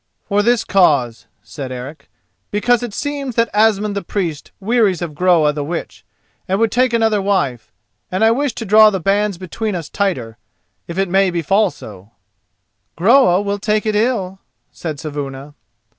"For this cause," said Eric; "because it seems that Asmund the Priest wearies of Groa the Witch, and would take another wife, and I wish to draw the bands between us tighter, if it may befall so." "Groa will take it ill," said Saevuna.